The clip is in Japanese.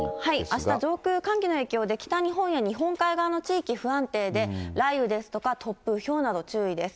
あした、上空、寒気の影響で、北日本や日本海側の地域、不安定で、雷雨ですとか、突風、ひょうなど注意です。